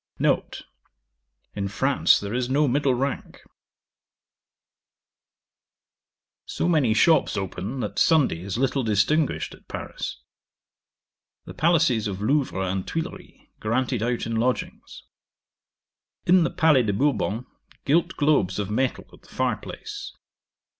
'N. In France there is no middle rank. 'So many shops open, that Sunday is little distinguished at Paris. The palaces of Louvre and Thuilleries granted out in lodgings. 'In the Palais de Bourbon, gilt globes of metal at the fire place.